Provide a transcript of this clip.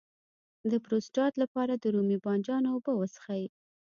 د پروستات لپاره د رومي بانجان اوبه وڅښئ